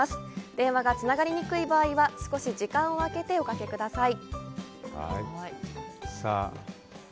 電話がつながりにくい場合は少し時間をあけておかけください。